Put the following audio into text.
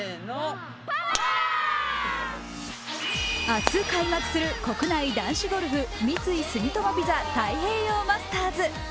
明日開幕する国内男子ゴルフ、三井住友ＶＩＳＡ太平洋マスターズ。